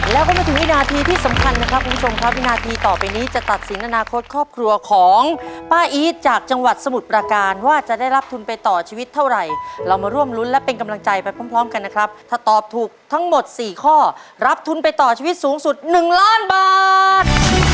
แล้วก็มาถึงวินาทีที่สำคัญนะครับคุณผู้ชมครับวินาทีต่อไปนี้จะตัดสินอนาคตครอบครัวของป้าอีทจากจังหวัดสมุทรประการว่าจะได้รับทุนไปต่อชีวิตเท่าไหร่เรามาร่วมรุ้นและเป็นกำลังใจไปพร้อมกันนะครับถ้าตอบถูกทั้งหมด๔ข้อรับทุนไปต่อชีวิตสูงสุด๑ล้านบาท